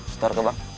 start dong bang